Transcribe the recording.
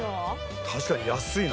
確かに安いな。